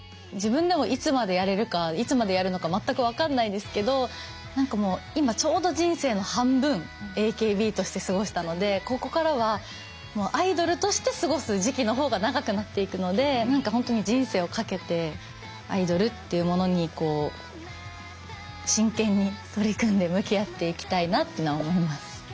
自分でもいつまでやれるかいつまでやるのか全く分かんないですけど何かもう今ちょうど人生の半分ＡＫＢとして過ごしたのでここからはアイドルとして過ごす時期の方が長くなっていくので何か本当に人生を賭けてアイドルっていうものにこう真剣に取り組んで向き合っていきたいなっていうのは思います。